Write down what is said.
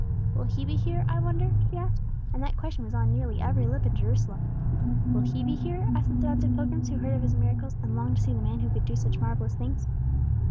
"Will He be here, I wonder?" she asked, and that question was on nearly every lip in Jerusalem. "Will He be here?" asked the throngs of pilgrims who had heard of His miracles, and longed to see the man who could do such marvellous things.